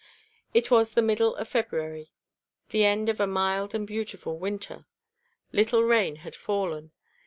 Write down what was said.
It was the middle of February, the end of a mild and beautiful winter. Little rain had fallen.